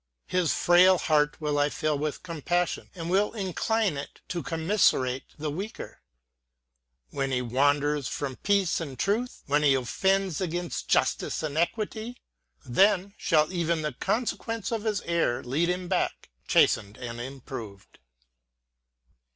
His frail heart will I fill with compassion, and will incline it to commisserate the weaker. When he wanders from Peace and Truth — when he offends against Justice and Equity, then shall even the consequences of his error lead him back, chastened and improved."